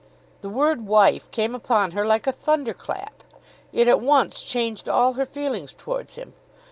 The word "wife" came upon her like a thunder clap. It at once changed all her feelings towards him.